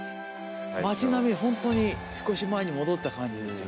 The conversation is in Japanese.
町並みホントに少し前に戻った感じですよね。